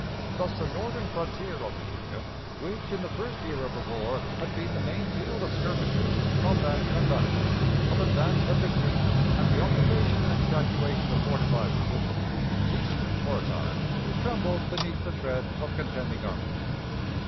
Thus the northern frontier of Virginia, which, in the first year of the war, had been the main field of skirmishes, combats, and battles, of advance and retreat, and the occupation and evacuation of fortified positions, ceased for a time to tremble beneath the tread of contending armies.